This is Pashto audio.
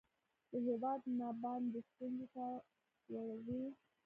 د هیواد نه باندې ستونځو ته واړوي